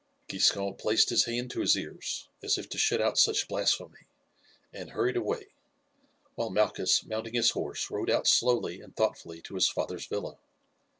Giscon placed his hand to his ears as if to shut out such blasphemy, and hurried away, while Malchus, mounting his horse, rode out slowly and thoughtfully to his father's villa.